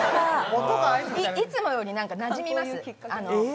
いつもより舌になじみます。